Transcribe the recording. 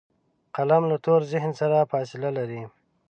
قلم له تور ذهن سره فاصله لري